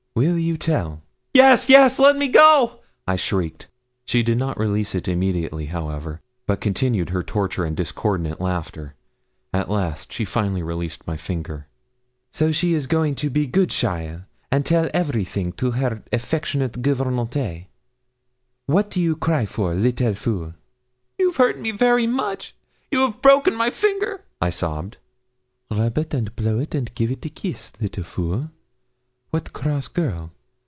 'Will you tell?' 'Yes, yes! let me go,' I shrieked. She did not release it immediately however, but continued her torture and discordant laughter. At last she finally released my finger. 'So she is going to be good cheaile, and tell everything to her affectionate gouvernante. What do you cry for, little fool?' 'You've hurt me very much you have broken my finger,' I sobbed. 'Rub it and blow it and give it a kiss, little fool! What cross girl!